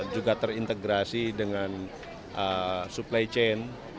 juga terintegrasi dengan supply chain